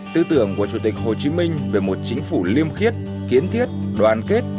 tư tưởng của chủ tịch hồ chí minh về một chính phủ liêm khiết kiến thiết đoàn kết